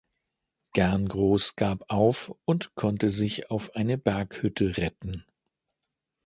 Gerngross gab auf und konnte sich auf eine Berghütte retten.